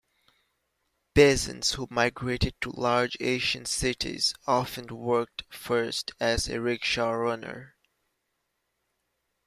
Peasants who migrated to large Asian cities often worked first as a rickshaw runner.